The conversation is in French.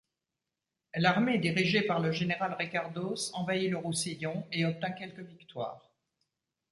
L'armée dirigée par le général Ricardos envahit le Roussillon et obtint quelques victoires.